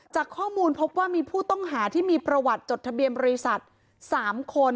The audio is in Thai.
จากข้อมูลพบว่ามีผู้ต้องหาที่มีประวัติจดทะเบียนบริษัท๓คน